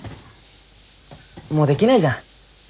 もうできないじゃん